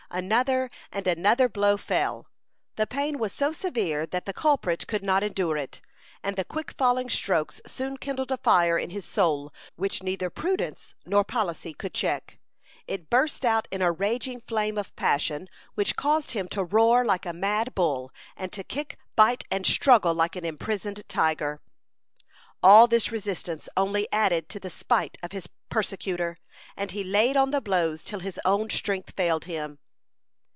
Another and another blow fell. The pain was so severe that the culprit could not endure it, and the quick falling strokes soon kindled a fire in his soul which neither prudence nor policy could check. It burst out in a raging flame of passion, which caused him to roar like a mad bull, and to kick, bite, and struggle like an imprisoned tiger. All this resistance only added to the spite of his persecutor and he laid on the blows till his own strength failed him.